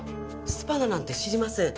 スパナなんて知りません。